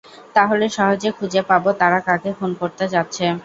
তাহলে সহজে খুঁজে পাবো তারা কাকে খুন করতে চাচ্ছে।